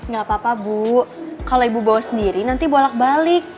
gak apa apa bu kalau ibu bawa sendiri nanti bolak balik